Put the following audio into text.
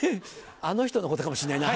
あの人のことかもしんないな。